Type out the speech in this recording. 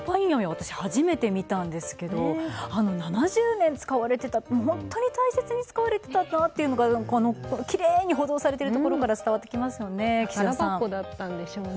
私、初めて見たんですが７０年使われていた本当に大切に使われていたというのが奇麗に保存されているところからおばあちゃん子だったんですね。